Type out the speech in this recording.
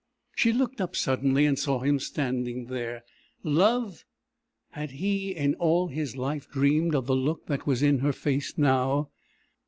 She looked up suddenly and saw him standing there. Love? Had he in all his life dreamed of the look that was in her face now?